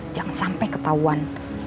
jangan sampai ketauan